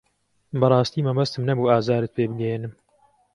بەڕاستی مەبەستم نەبوو ئازارت پێ بگەیەنم.